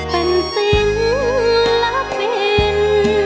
เป็นศิลปิน